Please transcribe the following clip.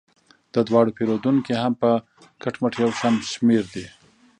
د دواړو پیرودونکي هم په کټ مټ یو شان شمیر دي.